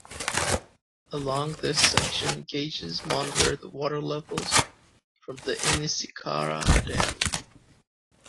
Along this section gauges monitor the water levels from the Inniscarra Dam.